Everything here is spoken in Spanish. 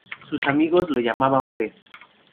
Sus amigos lo llamaban "Fred".